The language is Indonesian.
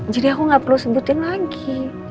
jadi aku gak perlu sebutin lagi